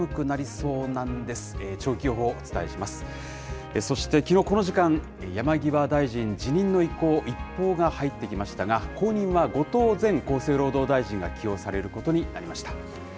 そして、きのうこの時間、山際大臣辞任の意向、一報が入ってきましたが、後任は後藤前厚生労働大臣が起用されることになりました。